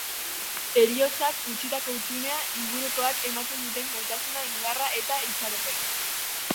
Heriotzak utzitako hutsunea, ingurukoak ematen duten maitasuna, indarra eta itxaropena.